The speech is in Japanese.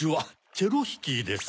チェロヒキーです。